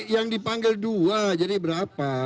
yang dipanggil dua jadi berapa